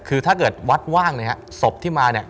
คือถ้าเกิดวัดว่างเนี่ยฮะศพที่มาเนี่ย